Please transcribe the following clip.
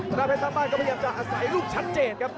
ด้านเพชรสร้างบ้านก็พยายามจะอาศัยลูกชัดเจนครับ